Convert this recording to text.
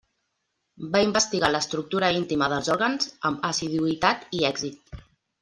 Va investigar l'estructura íntima dels òrgans amb assiduïtat i èxit.